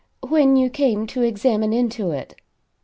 When you came to examine into it.